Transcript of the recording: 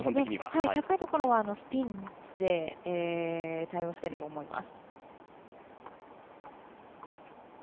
高いところはスピンで対応していると思います。